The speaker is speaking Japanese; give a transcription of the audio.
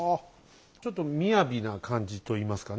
ちょっと雅な感じといいますかね。